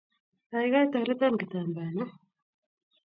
Gaigai, toreton kitambaana